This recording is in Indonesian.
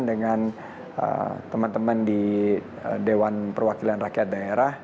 dengan teman teman di dewan perwakilan rakyat daerah